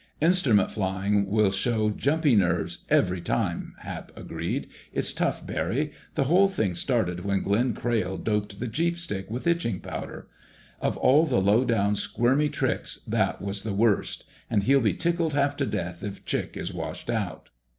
"Instrument flying will show jumpy nerves every time," Hap agreed. "It's tough, Barry. The whole thing started when Glenn Crayle doped the 'Jeep' stick with itching powder. Of all the lowdown, squirmy tricks, that was the worst! And he'll be tickled half to death if Chick is washed out."